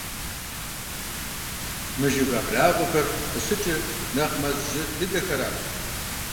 Мы жыг абрагъуэхэр къыщыкӀыр нэхъ мэз жьы дыдэхэращ.